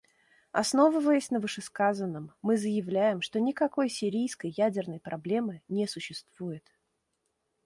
Основываясь на вышесказанном, мы заявляем, что никакой сирийской ядерной проблемы не существует.